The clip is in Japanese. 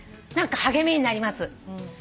何か励みになります。